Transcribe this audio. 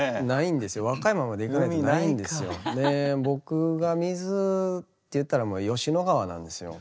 僕が水っていったらもう吉野川なんですよ。